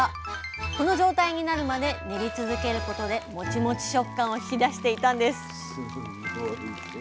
この状態になるまで練り続けることでモチモチ食感を引き出していたんです